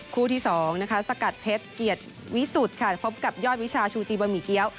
คู่ที่๒นะคะสกัดเพชรเกียรติวิสุทธิ์ค่ะพบกับยอดวิชาชูจีบะหมี่เกี้ยว